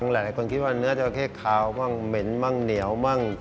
หลายคนคิดว่าเนื้อจราเข้คาวบ้างเหม็นบ้างเหนียวบ้าง